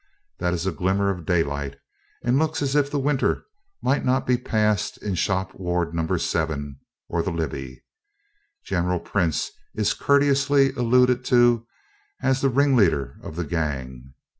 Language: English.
That is a glimmer of daylight, and looks as if the winter might not be passed in shop ward No. 7, or the Libby. General Prince is courteously alluded to as "the ringleader of the gang."